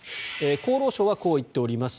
厚労省はこう言っております。